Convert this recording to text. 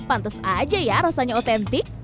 pantes aja ya rasanya otentik